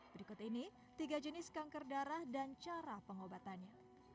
berikut ini tiga jenis kanker darah dan cara pengobatannya